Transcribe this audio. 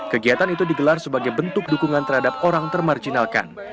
kegiatan itu digelar sebagai bentuk dukungan terhadap orang termarjinalkan